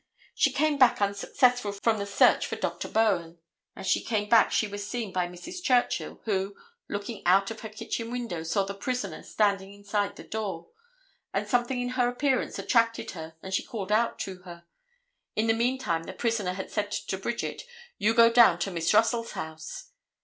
She came back unsuccessful from the search for Dr. Bowen. As she came back she was seen by Mrs. Churchill, who, looking out of her kitchen window, saw the prisoner standing inside the door, and something in her appearance attracted her and she called out to her. In the meantime the prisoner had said to Bridget, "You go down to Miss Russell's house."